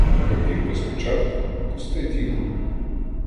Папір без печатки — пусте діло.